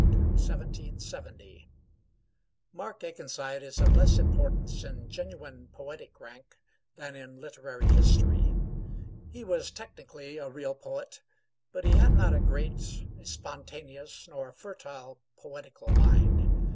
MARK AKENSIDE (1721 1770) Mark Akenside is of less importance in genuine poetic rank than in literary history. He was technically a real poet; but he had not a great, a spontaneous, nor a fertile poetical mind.